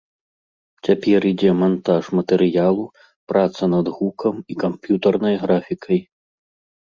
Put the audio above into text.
Цяпер ідзе мантаж матэрыялу, праца над гукам і камп'ютарнай графікай.